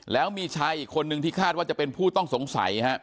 แล้วมีชายอีกคนนึงที่คาดว่าจะเป็นผู้ต้องสงสัยครับ